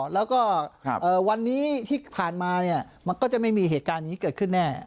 แล้วก็วันนี้ที่ผ่านมามันก็จะไม่มีเหตุการณ์อย่างนี้เกิดขึ้นแน่